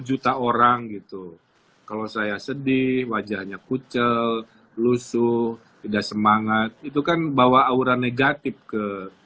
juta orang gitu kalau saya sedih wajahnya kucel lusu tidak semangat itu kan bawa aura negatif ke